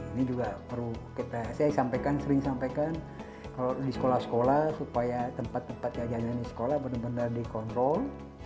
ini juga perlu kita saya sampaikan sering sampaikan kalau di sekolah sekolah supaya tempat tempat jajanan di sekolah benar benar dikontrol